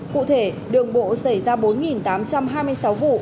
cụ thể đường bộ xảy ra bốn tám trăm hai mươi sáu vụ